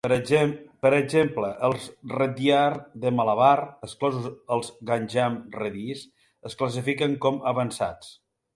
Per exemple, els reddiar de Malabar, exclosos els Ganjam Reddys, es classifiquen com avançats.